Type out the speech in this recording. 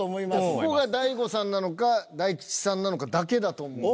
ここが大悟さんなのか大吉さんなのかだけだと思うんで。